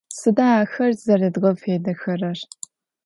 Sıda axer zeredğefêdexerer?